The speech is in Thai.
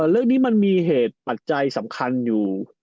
เรื่องนี้มันมีเหตุปัจจัยสำคัญอยู่